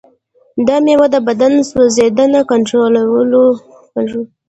دا مېوه د بدن سوځیدنه کنټرولوي.